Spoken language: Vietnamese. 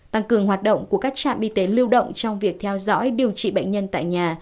tăng cường hoạt động của các trạm y tế lưu động trong việc theo dõi điều trị bệnh nhân tại nhà